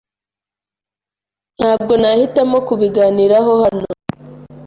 Ntabwo nahitamo kubiganiraho hano.